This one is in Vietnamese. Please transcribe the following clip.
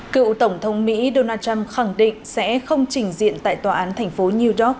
cựu tổng thống mỹ donald trump khẳng định sẽ không trình diện tại tòa án thành phố new york